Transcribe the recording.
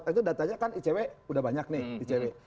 itu datanya kan icw udah banyak nih icw